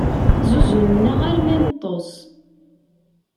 Zzuzznen-aɣ armi i neṭṭes.